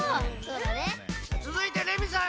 つづいてレミさん。